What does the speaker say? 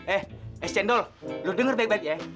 eh si cendol lo denger baik baik ya